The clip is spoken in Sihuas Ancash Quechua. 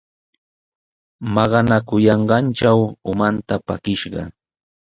Maqanakuyanqantraw umanta pakiyashqa.